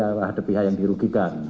ada pihak yang dirugikan